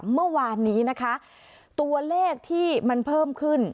เมื่อวานนี้นะคะตัวเลขที่มันเพิ่มขึ้น